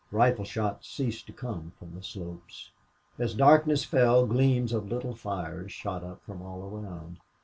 Rifle shots ceased to come from the slopes. As darkness fell gleams of little fires shot up from all around.